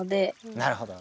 なるほど。